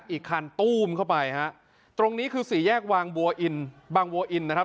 อีกคันตู้มเข้าไปฮะตรงนี้คือสี่แยกวางบัวอินบางบัวอินนะครับ